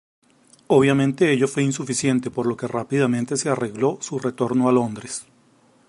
Obviamente ello fue insuficiente, por lo que rápidamente se arregló su retorno a Londres.